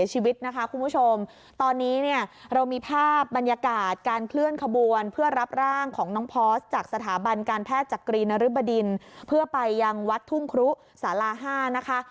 หรือบรรดินเพื่อไปยังวัดทุ่งครูสารา๕นะคะ